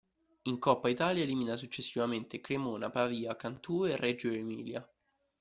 In Coppa Italia elimina successivamente: Cremona, Pavia, Cantù e Reggio Emilia.